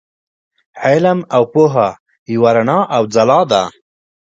علم او پوهه یوه رڼا او ځلا ده.